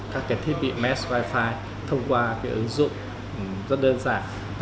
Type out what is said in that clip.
các thiết bị mesh wifi thông qua ứng dụng rất đơn giản